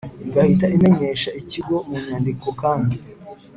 igahita ibimenyesha ikigo mu nyandiko kandi